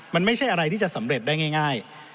มันไม่ใช่อะไรที่จะสำเร็จได้ง่าย